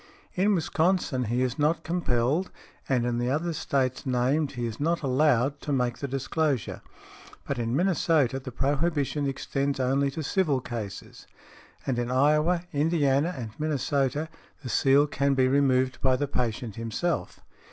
In Wisconsin he is not compelled, and in the other States named he is not allowed to make the disclosure; but in Minnesota the prohibition extends only to civil cases; and in Iowa, Indiana and Minnesota, the seal can be removed by the patient himself.